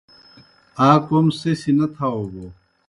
آ کوْم سہ سیْ نہ تھاؤ بوْ